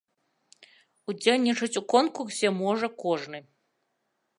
Удзельнічаць у конкурсе можа кожны.